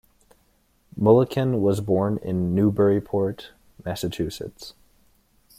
Mulliken was born in Newburyport, Massachusetts.